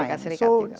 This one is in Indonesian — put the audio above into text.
amerika serikat juga